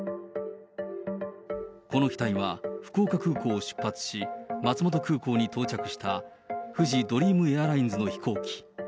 この機体は福岡空港を出発し、まつもと空港に到着したふじドリームエアラインズの飛行機。